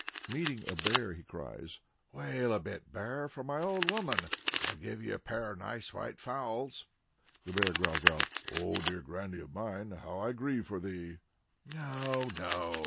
Meeting a bear, he cries, "Wail a bit, Bear, for my old woman! I'll give you a pair of nice white fowls." The bear growls out "Oh, dear granny of mine! how I grieve for thee!" "No, no!"